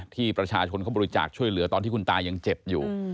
ที่ประชาชนเขาบริจาคช่วยเหลือตอนที่คุณตายังเจ็บอยู่